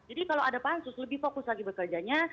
jadi kalau ada pansus lebih fokus lagi bekerjanya